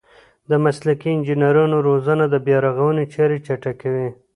د مسلکي انجنیرانو روزنه د بیارغونې چارې چټکوي.